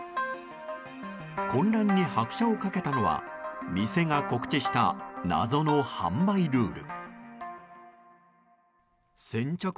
混乱に拍車をかけたのは店が告知した謎の販売ルール。